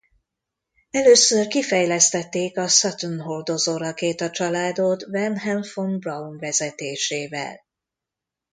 Először kifejlesztették a Saturn hordozórakéta-családot Wernher von Braun vezetésével.